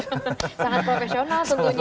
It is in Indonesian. sangat profesional tentunya